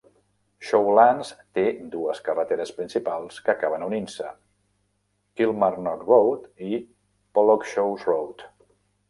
Shawlands té dues carreteres principals que acaben unint-se: Kilmarnock Road i Pollokshaws Road.